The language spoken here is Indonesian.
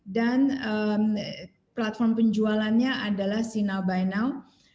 dan platform penjualannya adalah see now buy now